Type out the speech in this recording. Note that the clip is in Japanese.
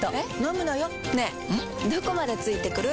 どこまで付いてくる？